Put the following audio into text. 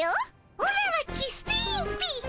オラはキスティーンっピ。